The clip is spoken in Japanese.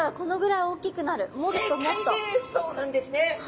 そうなんですね。